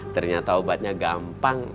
ternyata obatnya gampang